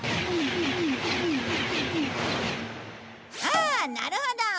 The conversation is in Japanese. ああなるほど！